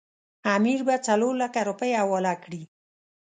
امیر به څلورلکه روپۍ حواله کړي.